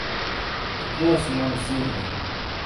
Tu plosi manu sirdi.